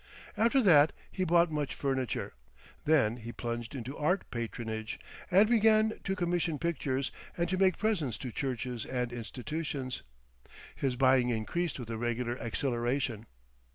After that he bought much furniture. Then he plunged into art patronage, and began to commission pictures and to make presents to churches and institutions. His buying increased with a regular acceleration.